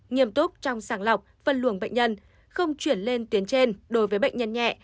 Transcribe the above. nghiêm túc trong sàng lọc phân luồng bệnh nhân không chuyển lên tuyến trên đối với bệnh nhân nhẹ